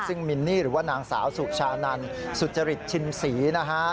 ซึ่งมินนี่หรือว่านางสาวสุชานันสุจริตชินศรีนะฮะ